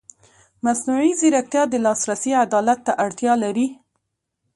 مصنوعي ځیرکتیا د لاسرسي عدالت ته اړتیا لري.